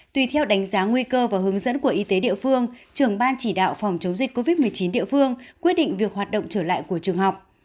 tùy theo đánh giá nguy cơ và hướng dẫn của y tế địa phương trưởng ban chỉ đạo phòng chống dịch covid một mươi chín địa phương quyết định việc hoạt động trở lại của trường học